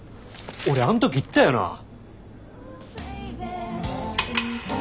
俺あん時言ったよな？